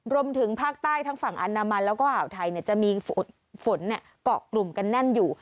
รวมถึงภาคใต้ทั้งฝั่งอันดามันแล้วก็อ่าวไทยจะมีฝนเกาะกลุ่มกันแน่นอยู่